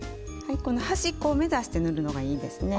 この端っこを目指して塗るのがいいですね。